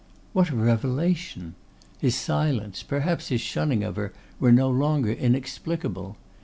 What a revelation! His silence, perhaps his shunning of her were no longer inexplicable.